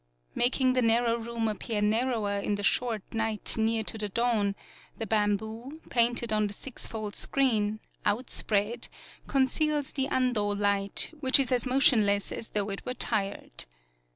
Making the narrow room appear nar rower in the short night near to the dawn, the bamboo, painted on the six fold screen, outspread, conceals the 112 UKIYOE Ando light, which is as motionless as though it were tired.